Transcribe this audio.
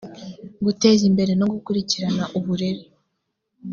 guteza imbere no gukurikirana uburere